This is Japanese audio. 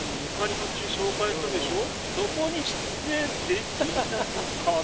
そこに出演できないかな」。